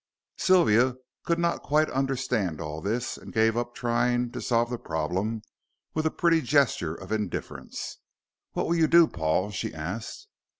Sylvia could not quite understand all this, and gave up trying to solve the problem with a pretty gesture of indifference. "What will you do, Paul?" she asked.